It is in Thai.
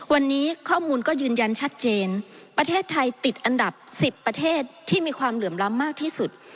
วันนี้ข้อมูลก็ยืนยันชัดเจนประเทศไทยติดอันดับ๑๐ประเทศที่มีความเหลื่อมล้ำมากที่สุด